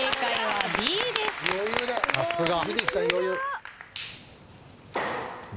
さすが！